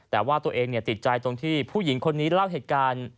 แต่ว่าตัวเองติดใจตรงที่ผู้หญิงคนนี้เล่าเหตุการณ์